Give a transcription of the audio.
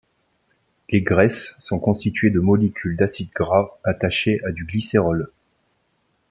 Les graisses sont constituées de molécules d'acides gras attachées à du glycérol.